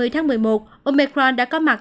ba mươi tháng một mươi một omicron đã có mặt